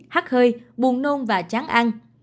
hắc hơi buồn nôn và chán ăn